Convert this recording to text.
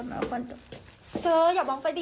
จังอย่ามองไปดิ